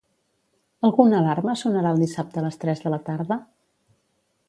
Alguna alarma sonarà el dissabte a les tres de la tarda?